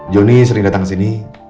joni sering datang kesini